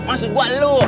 masih gua lho